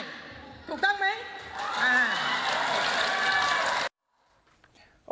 ถูกต้องมั้ย